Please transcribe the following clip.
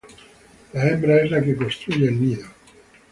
La hembra es la que construye el nido.